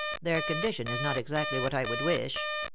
Their condition is not exactly what I would wish.